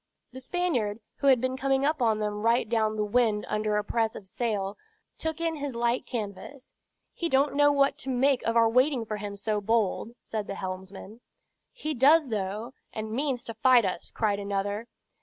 The Spaniard, who had been coming upon them right down the wind under a press of sail, took in his light canvas. "He don't know what to make of our waiting for him so bold," said the helmsman. "He does, though, and means to fight us," cried another.